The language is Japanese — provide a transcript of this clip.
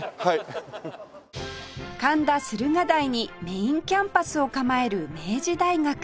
神田駿河台にメインキャンパスを構える明治大学